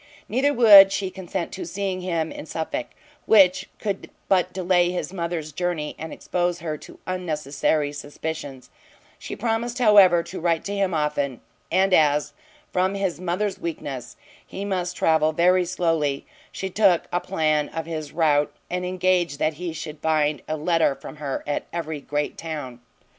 Neither would she consent to seeing him in Suffolk; which could but delay his mother's journey, and expose her to unnecessary suspicions; she promised, however, to write to him often, and as, from his mother's weakness, he must travel very slowly, she took a plan of his route, and engaged that he should find a letter from her at every great town.